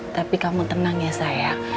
tapi kamu tenang ya sayang